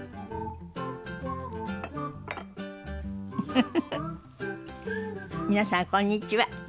フフフフ皆さんこんにちは。